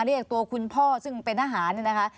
เรียกตัวคุณพ่อซึ่งเป็นทหารเนี่ยนะคะ